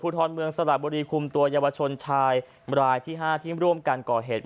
ผู้ท้อนเมืองสลัดบุรีคุมตัวยมรายที่ห้าทีมร่วมกันก่อเหตุ